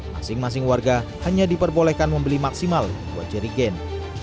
masing masing warga hanya diperbolehkan membeli maksimal dua jerigen